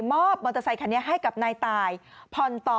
มอเตอร์ไซคันนี้ให้กับนายตายผ่อนต่อ